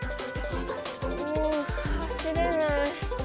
もう走れない。